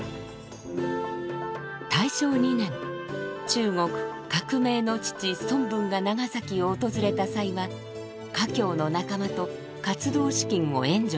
大正２年中国革命の父孫文が長崎を訪れた際は華僑の仲間と活動資金を援助しました。